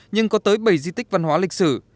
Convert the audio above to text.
nhưng có tới bảy di tích văn hóa lịch sử